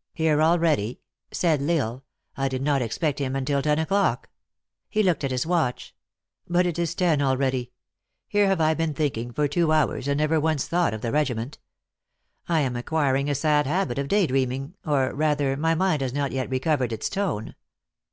" Here, already !" said L Isle ;" I did not expect him until ten o clock." He looked at his watch. " But it is ten already. Here have I been thinking for two hours, and have never once thought of the regiment. I am acquiring a sad habit of day dream ing, or, rather, my mind has not yet recovered its tone.